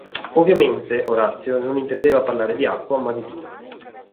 Ovviamente Orazio non intendeva parlare di acqua ma di vino.